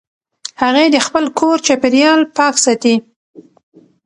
هغې د خپل کور چاپېریال پاک ساتي.